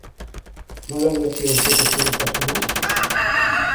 Nola ulertu daiteke fideltasuna?